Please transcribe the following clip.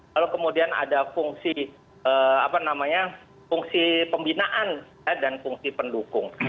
lalu kemudian ada fungsi pembinaan dan fungsi pendukung